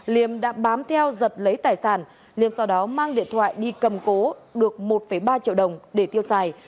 liêm đã bám theo giật lấy tài sản liêm sau đó mang điện thoại đi cầm cố được một ba triệu đồng để tiêu xài